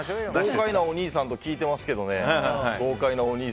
豪快なお兄さんだと聞いてますけどね。